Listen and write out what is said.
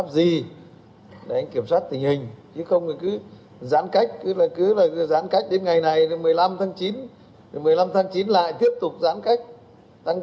giãn cách tăng cường cái giãn cách xã hội rồi đến ba mươi tháng chín là anh tiếp tục giãn cách xã hội